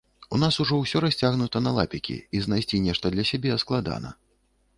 У нас усё ўжо расцягнута на лапікі і знайсці нешта для сябе складана.